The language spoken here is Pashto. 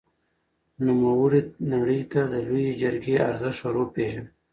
نوموړي نړۍ ته د لويې جرګې ارزښت ور وپېژاند.